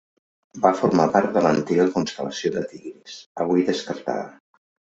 Va formar part de l'antiga constel·lació de Tigris, avui descartada.